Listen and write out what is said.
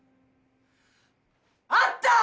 あった！